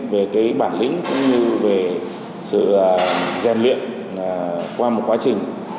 về cái bản lĩnh cũng như về sự rèn luyện qua một quá trình